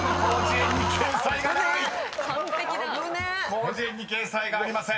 ［広辞苑に掲載がありません。